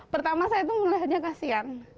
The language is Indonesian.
pertama saya mulai hanya kasihan